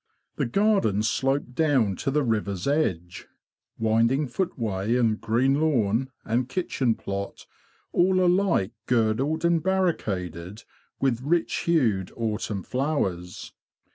The garden sloped down to the river's edge, winding footway, and green lawn, and kitchen plot all alike girdled and barricaded with rich hued 'autumn flowers.